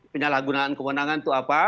penyalahgunaan kewenangan itu apa